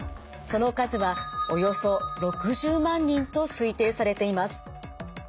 その数はおよそ６０万人と推定されています。